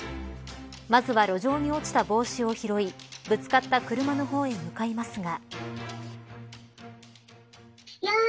まずは路上に落ちた帽子を拾いぶつかった車の方へ向かいますが。